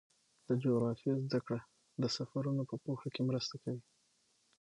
د جغرافیې زدهکړه د سفرونو په پوهه کې مرسته کوي.